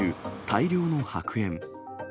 大量の白煙。